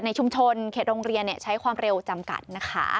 ในชุมชนโรงเรียนเนี่ยใช้ความเร็วจำกัดนะคะ